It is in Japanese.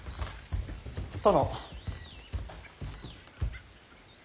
殿。